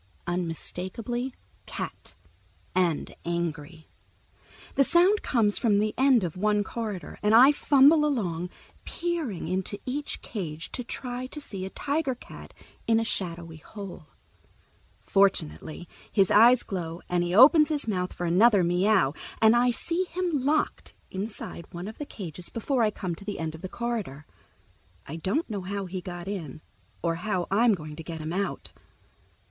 Unmistakably Cat, and angry. The sound comes from the end of one corridor, and I fumble along, peering into each cage to try to see a tiger cat in a shadowy hole. Fortunately his eyes glow and he opens his mouth for another meow, and I see him locked inside one of the cages before I come to the end of the corridor. I don't know how he got in or how I'm going to get him out.